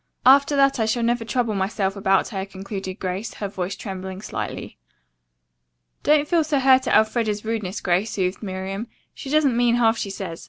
After that I shall never trouble myself about her," concluded Grace, her voice trembling slightly. "Don't feel so hurt at Elfreda's rudeness, Grace," soothed Miriam. "She doesn't mean half she says.